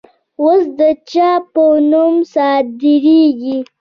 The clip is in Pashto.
اوس د چا په نوم صادریږي؟